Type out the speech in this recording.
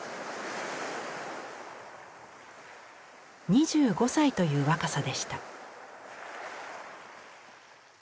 ２５歳という若さでした。